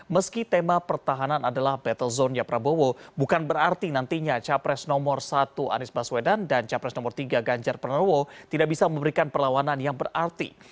meski tema pertahanan adalah battle zone nya prabowo bukan berarti nantinya capres nomor satu anies baswedan dan capres nomor tiga ganjar pranowo tidak bisa memberikan perlawanan yang berarti